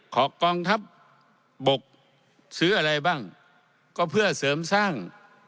กองทัพบกซื้ออะไรบ้างก็เพื่อเสริมสร้าง